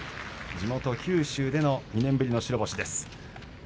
地元九州での２年ぶりの白星です。